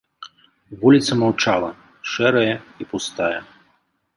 Вуліца маўчала, шэрая і пустая.